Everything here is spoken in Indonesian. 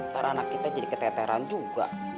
karena anak kita jadi keteteran juga